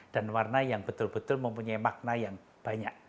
dan warna yang betul betul mempunyai makna yang banyak